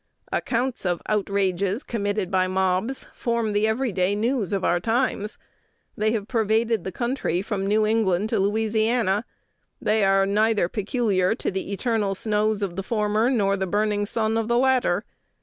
Accounts of outrages committed by mobs form the every day news of the times. They have pervaded the country from New England to Louisiana; they are neither peculiar to the eternal snows of the former, nor the burning sun of the latter.